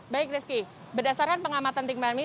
baik rizky berdasarkan pengamatan tikmami